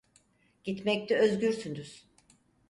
Gitmekte özgürsünüz.